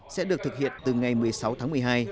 sẽ được thực hiện từ ngày một mươi sáu tháng một mươi hai